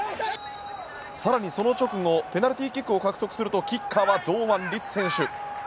更にその直後ペナルティーキックを獲得するとキッカーは堂安律選手。